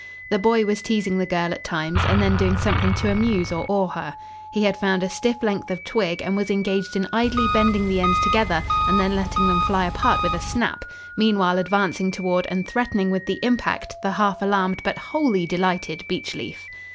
The boy was teasing the girl at times and then doing something to amuse or awe her. He had found a stiff length of twig and was engaged in idly bending the ends together and then letting them fly apart with a snap, meanwhile advancing toward and threatening with the impact the half alarmed but wholly delighted Beechleaf.